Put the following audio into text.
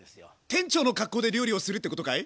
店長の格好で料理をするってことかい？